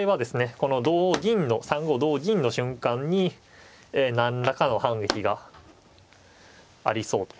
この同銀の３五同銀の瞬間に何らかの反撃がありそうと。